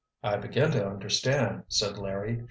"I begin to understand," said Larry.